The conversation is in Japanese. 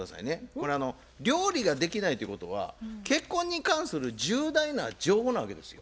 これ料理ができないということは結婚に関する重大な情報なわけですよ。